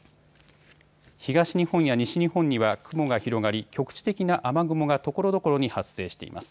東日本や西日本には雲が広がり局地的な雨雲がところどころに発生しています。